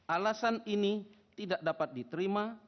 alasan ini tidak dapat diterima